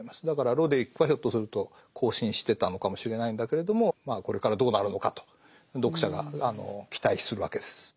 だからロデリックはひょっとすると交信してたのかもしれないんだけれどもこれからどうなるのかと読者が期待するわけです。